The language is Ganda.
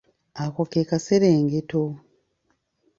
Ako ke kaserengeto.